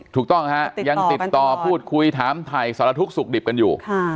ถูกต้องฮะยังติดต่อพูดคุยถามถ่ายสารทุกข์สุขดิบกันอยู่